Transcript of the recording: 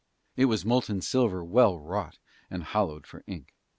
It was molten silver well wrought, and hollowed for ink.